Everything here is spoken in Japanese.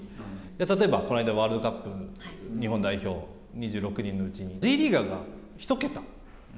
例えば、この間、ワールドカップ、日本代表、２６人のうち、Ｊリーガーが１桁。